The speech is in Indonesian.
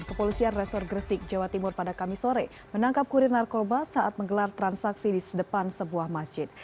kepolisian resor gresik jawa timur pada kamis sore menangkap kurir narkoba saat menggelar transaksi di sedepan sebuah masjid